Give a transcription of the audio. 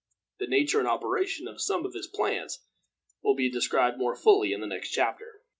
The nature and operation of some of his plans will be described more fully in the next chapter.